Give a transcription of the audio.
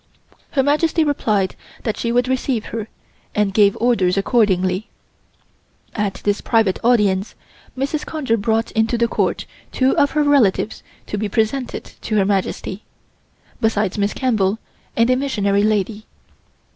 Her Majesty replied that she would receive her and gave orders accordingly. At this private audience Mrs. Conger brought into the Court two of her relatives to be presented to Her Majesty, besides Miss Campbell and a missionary lady.